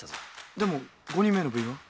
でも５人目の部員は？